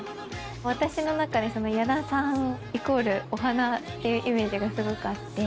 私の中で矢田さんイコールお花っていうイメージがすごくあって。